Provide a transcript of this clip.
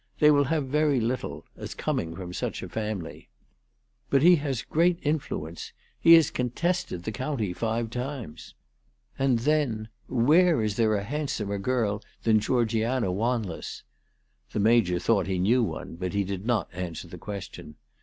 They will have very little, as coming from such a family. But he has great influence. He has contested the Z : 338 ALICE DUGDALE. Bounty five times. And then where is there a hand somer girl than Georgiana Wanless?" The Major thought that he knew one, hut did not answer the question.